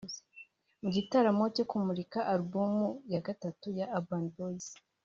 Mu gitaramo cyo kumurika alubumu ya gatatu ya Urban Boyz